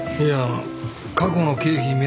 いや過去の経費